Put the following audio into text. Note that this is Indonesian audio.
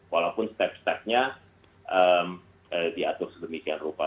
walaupun step stepnya diatur sedemikian rupa